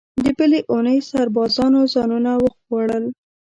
د بلې اوونۍ سربازانو ځانونه وغوړول.